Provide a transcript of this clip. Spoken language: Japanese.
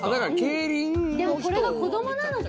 でもこれが子どもなのか？